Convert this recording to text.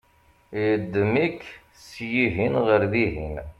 yeddem-ik syihen ɣer dihin